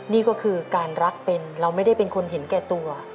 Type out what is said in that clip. นี่ก็คือการรักเป็นเราไม่ได้เป็นคนเห็นแก่ตัว